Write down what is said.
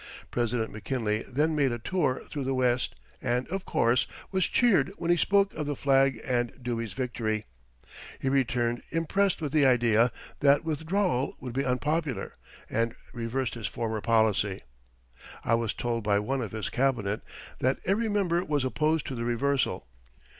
President McKinley then made a tour through the West and, of course, was cheered when he spoke of the flag and Dewey's victory. He returned, impressed with the idea that withdrawal would be unpopular, and reversed his former policy. I was told by one of his Cabinet that every member was opposed to the reversal.